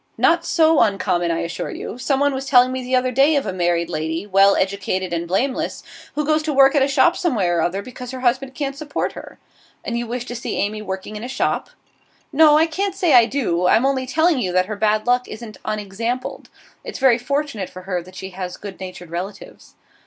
'Not so uncommon, I assure you. Some one was telling me the other day of a married lady well educated and blameless who goes to work at a shop somewhere or other because her husband can't support her.' 'And you wish to see Amy working in a shop?' 'No, I can't say I do. I'm only telling you that her bad luck isn't unexampled. It's very fortunate for her that she has good natured relatives.